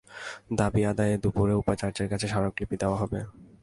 দাবি আদায়ে দুপুরে উপাচার্যের কাছে স্মারকলিপি দেওয়া হবে।